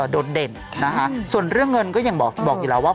โดดเด่นนะคะส่วนเรื่องเงินก็ยังบอกอยู่แล้วว่า